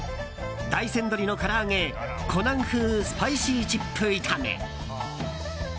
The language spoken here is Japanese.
大山鶏の唐揚げ湖南風スパイシーチップ炒め。